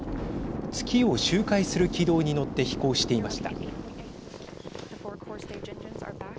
月を周回する軌道にのって飛行していました。